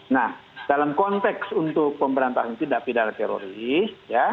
nah dalam konteks untuk pemberantasan tindak pidana teroris